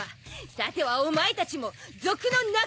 さてはお前たちも賊の仲間アマスね！？